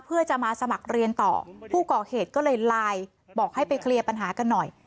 เพื่อจะมาสมัครเรียนต่อผู้ก่อเหตุก็เลยไลน์บอกให้ไปเคลียร์ปัญหากันหน่อย